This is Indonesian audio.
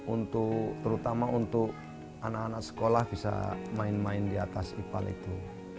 untuk terutama untuk anak anak sekolah bisa main main di atas ipal itu